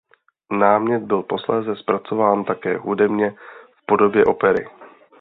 Námět byl posléze zpracován také hudebně v podobě opery.